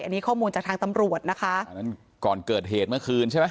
อันนี้ข้อมูลจากทางตำรวจนะคะอันนั้นก่อนเกิดเหตุเมื่อคืนใช่ไหม